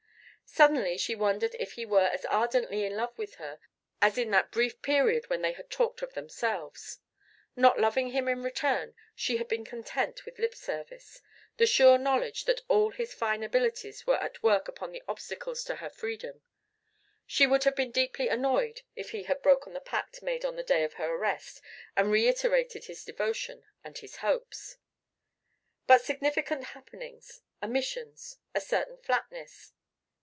Suddenly she wondered if he were as ardently in love with her as in that brief period when they had talked of themselves. Not loving him in return, she had been content with lip service, the sure knowledge that all his fine abilities were at work upon the obstacles to her freedom; and she would have been deeply annoyed if he had broken the pact made on the day of her arrest and reiterated his devotion and his hopes. But significant happenings omissions a certain flatness....